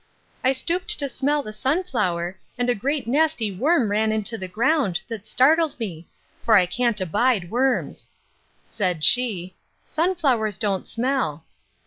I stooped to smell at the sunflower, and a great nasty worm ran into the ground, that startled me; for I can't abide worms. Said she, Sunflowers don't smell.